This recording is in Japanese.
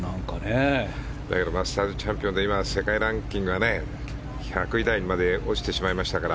マスターズチャンピオンで今、世界ランキングが１００位台にまで落ちてしまいましたから。